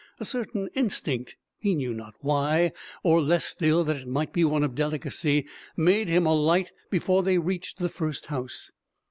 A certain instinct he knew not why, or less still that it might be one of delicacy made him alight before they reached the first house.